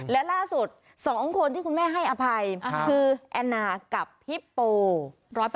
และล่าสุด๒คนที่คุณแม่ให้อภัยคือแอนนากับฮิปโป๑๐